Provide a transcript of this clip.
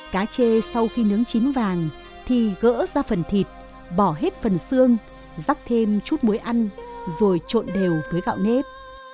cá chê sau khi nướng chín vàng thì gỡ ra phần thịt bỏ hết phần xương rắc thêm chút muối ăn rồi trộn đều với gạo nếp